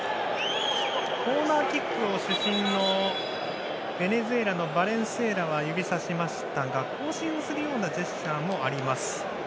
コーナーキックを主審のベネズエラのバレンスエラは指さしましたが交信するようなジェスチャーもあります。